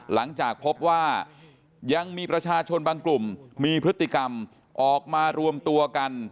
หลังจากพบว่ายังมีประชาชนบางกลุ่มมีพฤติกรรมออกมารวมตัวกัน